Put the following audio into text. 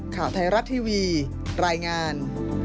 ข่าวไทยรัฐทีวีรายงาน